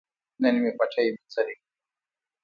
نن مې پټی مینځلي وو.